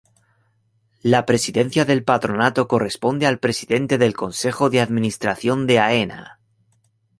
La Presidencia del Patronato corresponde al Presidente del Consejo de Administración de Aena.